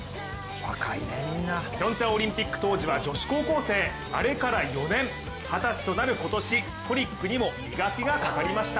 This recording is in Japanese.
ピョンチャンオリンピック当時は女子高校生、あれから４年、二十歳となる今年トリックにも磨きがかかりました。